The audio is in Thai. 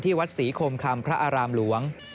วัดศรีคมคำพระอารามหลวง